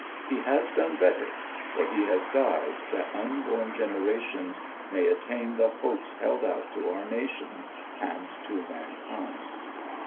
He has done better, for he has died that unborn generations may attain the hopes held out to our nation and to mankind.